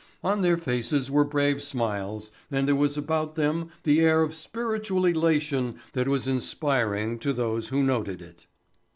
On their faces were brave smiles and there was about them the air of spiritual elation that was inspiring to those who noted it.